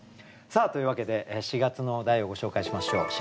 さあというわけで４月の題をご紹介しましょう。